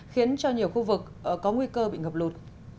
khiến cho nhiều khu vực có nguy cơ bị ngập lụt